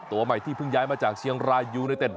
ตัวใหม่ที่เพิ่งย้ายมาจากเชียงรายยูเนเต็ด